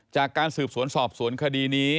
จากการสืบสวนสอบสวนคดีนี้